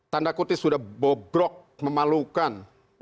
tanda kutip sudah bobrok memalukan